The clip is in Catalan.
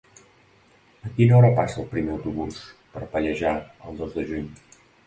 A quina hora passa el primer autobús per Pallejà el dos de juny?